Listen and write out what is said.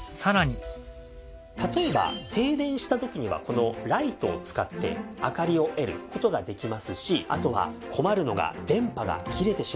例えば停電した時にはこのライトを使って明かりを得る事ができますしあとは困るのが電波が切れてしまった時ですね。